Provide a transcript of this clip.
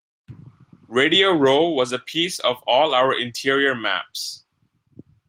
Radio Row was a piece of all our interior maps.